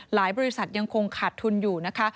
บริษัทยังคงขาดทุนอยู่นะคะ